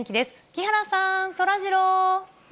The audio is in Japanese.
木原さん、そらジロー。